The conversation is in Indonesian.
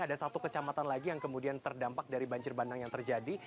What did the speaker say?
ada satu kecamatan lagi yang kemudian terdampak dari banjir bandang yang terjadi